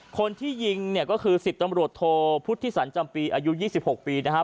คนที่ยิงเนี่ยก็คือ๑๐ตำรวจโทพุทธิสันจำปีอายุ๒๖ปีนะครับ